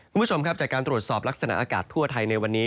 คุณผู้ชมครับจากการตรวจสอบลักษณะอากาศทั่วไทยในวันนี้